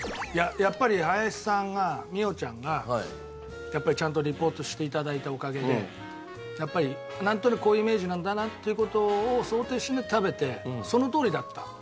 やっぱり林さんが美桜ちゃんがやっぱりちゃんとリポートして頂いたおかげでやっぱりなんとなくこういうイメージなんだなっていう事を想定して食べてそのとおりだった。